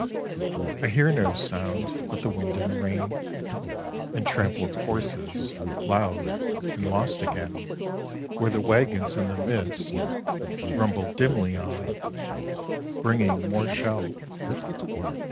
I hear no sound but the wind and the rain, And trample of horses, loud and lost again Where the waggons in the mist rumble dimly on Bringing more shell.